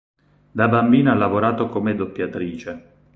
Da bambina ha lavorato come doppiatrice.